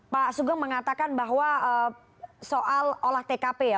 pak sugeng mengatakan bahwa soal olah tkp ya